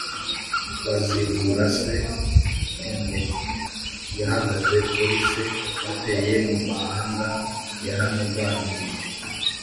bazigurase ku ngoma: yahagaze kuri se bateye mu mahanga yaramurwaniriye